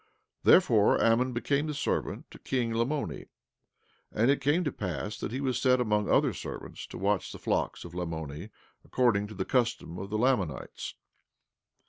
Therefore Ammon became a servant to king Lamoni. And it came to pass that he was set among other servants to watch the flocks of Lamoni, according to the custom of the Lamanites.